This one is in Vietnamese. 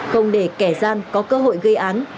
không để kẻ gian có cơ hội gây án